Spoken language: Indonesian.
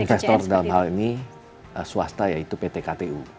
investor dalam hal ini swasta yaitu pt ktu